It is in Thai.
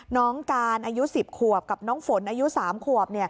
น้องการอายุ๑๐ขวบกับน้องฝนอายุ๓ขวบ